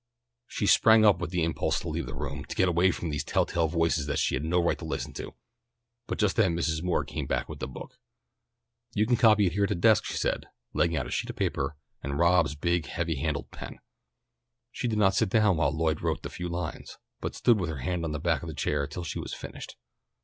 She sprang up with the impulse to leave the room, to get away from these telltale voices that she had no right to listen to. But just then Mrs. Moore came back with the book. "You can copy it here at the desk," she said, laying out a sheet of paper and Rob's big heavy handled pen. She did not sit down while Lloyd wrote the few lines, but stood with her hand on the back of the chair till she had finished.